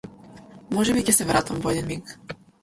Можеби ќе се вратам во еден миг.